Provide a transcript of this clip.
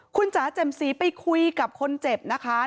คุณจ๋าแจ่มสีไปคุยกับคนเจ็บนะคะ